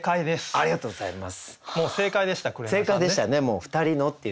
ありがとうございます。